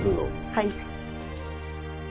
はい。